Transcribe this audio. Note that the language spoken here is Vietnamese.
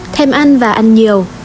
ba thêm ăn và ăn nhiều